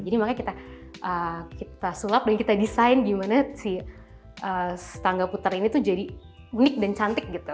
makanya kita sulap dan kita desain gimana si tangga puter ini tuh jadi unik dan cantik gitu